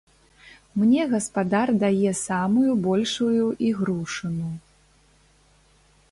Мне гаспадар дае самую большую ігрушыну.